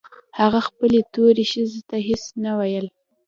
هغه خپلې تورې ښځې ته هېڅ نه ويل.